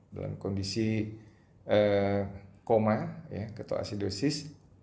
dalam kondisi koma atau asidosis